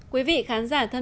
quý vị khán giả thân thân